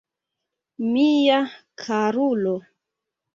Mia karulo!